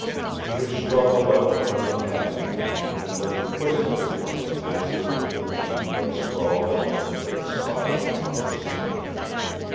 Peter struggled out from under Cassidy, and looked inquisitively from his master to the man who lay sprawled out like a great spider upon the sand.